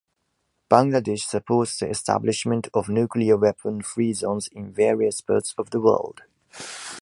Bangladesh supports the establishment of nuclear-weapon-free zones in various parts of the world.